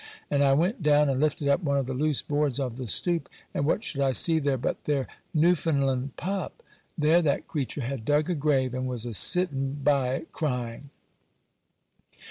And I went down, and lifted up one of the loose boards of the stoop, and what should I see there but their Newfoundland pup; there that creature had dug a grave, and was a sitting by it crying.